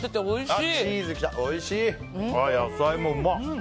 野菜もうまっ！